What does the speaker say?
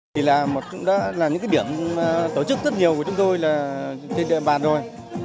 thì là một trong đó là những cái điểm tổ chức rất nhiều của chúng tôi là trên địa bàn rồi